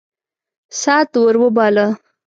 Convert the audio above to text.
سعد ور وباله.